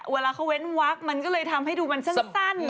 เวลาเขาเว้นวักมันก็เลยทำให้ดูมันสั้น